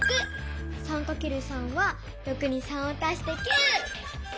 ３×３は６に３を足して９。